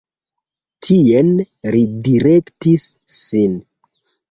Tien li direktis sin.